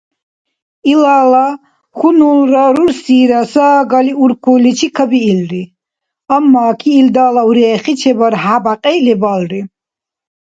Илала хьунулра рурсира сагали уркурличи кабиилри, аммаки илдала урехи чебархӀебякьи лебалри